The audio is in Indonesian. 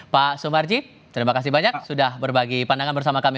pak sumarji terima kasih banyak sudah berbagi pandangan bersama kami